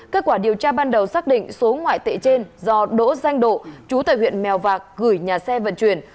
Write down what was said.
kết quả điều tra ban đầu xác định số ngoại tệ trên do đỗ danh độ chú tại huyện mèo vạc gửi nhà xe vận chuyển